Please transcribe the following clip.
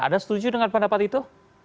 anda setuju dengan pendapat itu